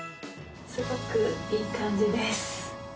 すごくいい感じです。